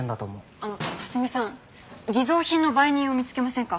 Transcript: あの蓮見さん偽造品の売人を見つけませんか？